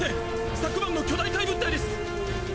昨晩の巨大怪物体です！